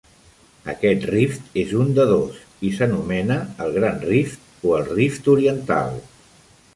Aquest rift és un de dos, i s'anomena el Gran Rift o el Rift Oriental.